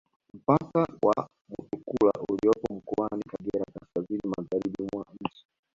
Mpaka wa Mutukula uliopo mkoani Kagera kaskazini magharibi mwa nchi